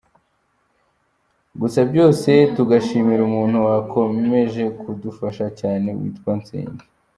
Gusa byose tugashimira umuntu wakomeje kudufasha cyane witwa Nsengi.